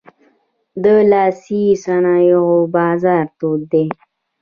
د لاسي صنایعو بازار تود دی.